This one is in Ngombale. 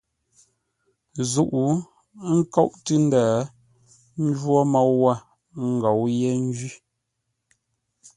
Zûʼ, ə́ nkóʼ tʉ́ ndə̂ ńjwó môu wə̂, ə́ ngou yé ńjwí.